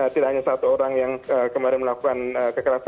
tidak hanya satu orang yang kemarin melakukan kekerasan